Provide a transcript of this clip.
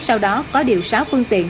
sau đó có điều sáo phương tiện